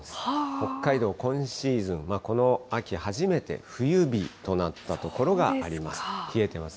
北海道、今シーズン、この秋初めて冬日となった所があります。